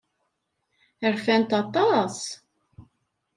Rfant aṭas.